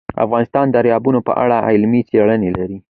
افغانستان د دریابونه په اړه علمي څېړنې لري.